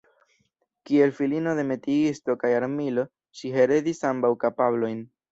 Kiel filino de "metiisto" kaj "armilo" ŝi heredis ambaŭ kapablojn.